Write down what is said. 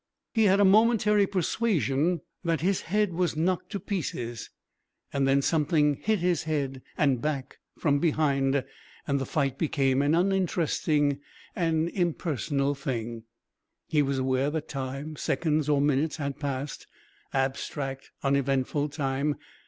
He had a momentary persuasion that his head was knocked to pieces, and then something hit his head and back from behind, and the fight became an uninteresting, an impersonal thing. He was aware that time seconds or minutes had passed, abstract, uneventful time.